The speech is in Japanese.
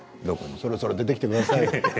そろそろ出てきてください。